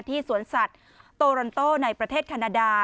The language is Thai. ที่สวนสัตว์โตรนโตในประเทศคานาดา